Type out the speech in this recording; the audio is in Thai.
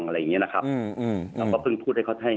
อะไรอย่างเงี้ยนะครับอืมอืมอืมแล้วก็พึ่งพูดให้เขาให้